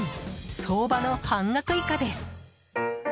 相場の半額以下です。